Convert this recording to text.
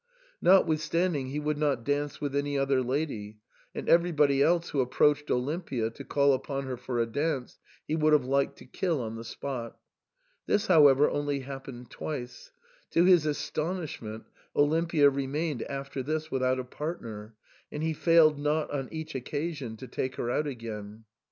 Notwithstanding, he would not dance with any other lady ; and everybody else who approached Olim pia to call upon her for a dance, he would have liked to kill on the spot This, however, only happened twice ; to his astonishment Olimpia remained after this without a partner, and he failed not on each occasion to take her out again.